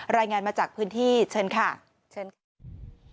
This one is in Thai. รายงานมาจากพื้นที่เชิญค่ะเชิญค่ะ